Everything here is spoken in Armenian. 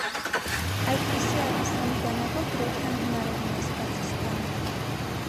Այդպիսի առասանի դանակով գրեթե անհնար է վնասվածք ստանալ։